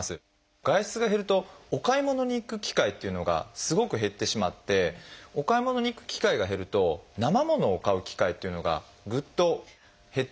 外出が減るとお買い物に行く機会というのがすごく減ってしまってお買い物に行く機会が減るとなま物を買う機会というのがぐっと減ってきたと。